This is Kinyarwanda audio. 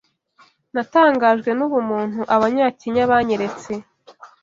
Natangajwe n’ubumuntu abanyakenya banyeretse